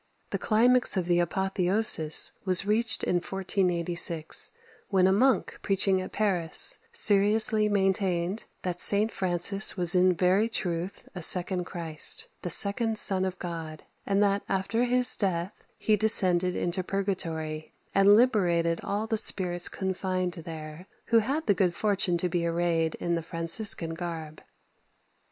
The climax of the apotheosis was reached in 1486, when a monk, preaching at Paris, seriously maintained that St. Francis was in very truth a second Christ, the second Son of God; and that after his death he descended into purgatory, and liberated all the spirits confined there who had the good fortune to be arrayed in the Franciscan garb.